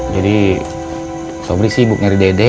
jadi sobri sibuk nyari dede